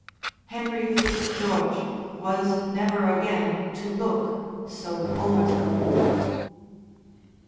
Henry Fitzgeorge was never again to look so old.